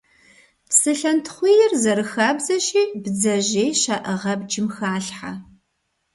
Псылъэнтхъуийр, зэрыхабзэщи, бдзэжьей щаӀыгъ абджым халъхьэ.